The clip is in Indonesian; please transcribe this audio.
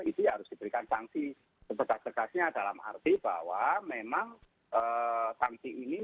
itu harus diberikan sanksi setegas tegasnya dalam arti bahwa memang sanksi ini